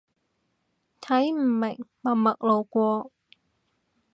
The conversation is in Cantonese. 睇唔明，默默路過